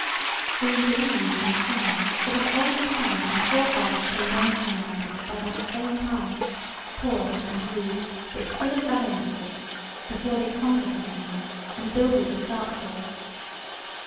For we believe and trow that of old time our forefathers came down from the mountains by that same pass, poor and rude, but full of valiancy, before they conquered these lands, and builded the Stark wall.